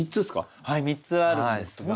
はい３つあるんですが。